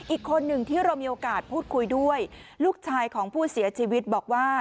อีกคนหนึ่งที่เรามีโอกาสพูดคุยด้วยลูกชายของผู้เสียชีวิตบอกว่า